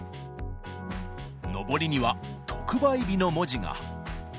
のぼりには、特売日の文字が。